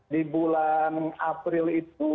di bulan april itu